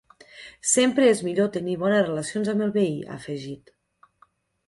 Sempre és millor tenir bones relacions amb el veí, ha afegit.